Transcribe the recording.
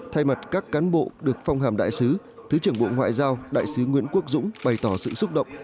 thay mặt các cán bộ được phong hàm đại sứ thứ trưởng bộ ngoại giao đại sứ nguyễn quốc dũng bày tỏ sự xúc động